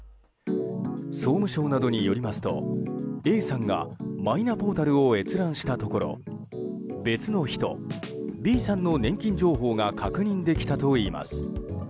総務省などによりますとＡさんがマイナポータルを閲覧したところ別の人、Ｂさんの年金情報が確認できたといいます。